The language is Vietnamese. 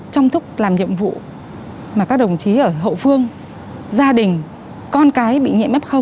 trong thức làm nhiệm vụ mà các đồng chí ở hậu phương gia đình con cái bị nhiễm f